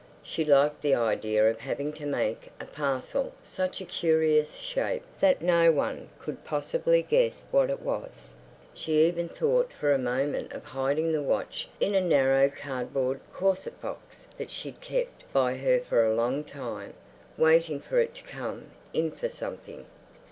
She liked the idea of having to make a parcel such a curious shape that no one could possibly guess what it was. She even thought for a moment of hiding the watch in a narrow cardboard corset box that she'd kept by her for a long time, waiting for it to come in for something.